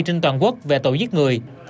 trên toàn quốc về tội giết người